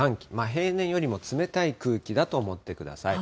平年よりも冷たい空気だと思ってください。